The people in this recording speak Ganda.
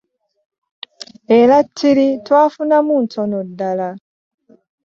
Eratiri twafunamu ntono ddala.